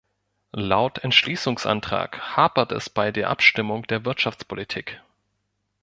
Laut Entschließungsantrag hapert es bei der Abstimmung der Wirtschaftspolitik.